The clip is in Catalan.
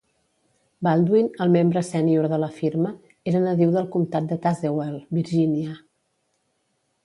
Baldwin, el membre sènior de la firma, era nadiu del comtat de Tazewell, Virginia.